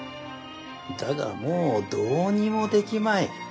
だがもうどうにもできまい。